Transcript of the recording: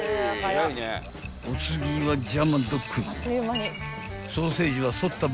［お次はジャーマンドック］